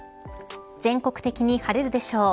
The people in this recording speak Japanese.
全国的に晴れるでしょう。